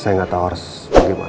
saya nggak tahu harus bagaimana